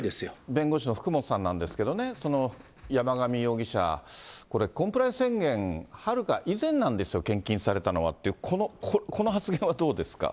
弁護士の福本さんなんですけどね、山上容疑者、これ、コンプライアンス宣言はるか以前なんですよ、献金されたのはって、この発言はどうですか？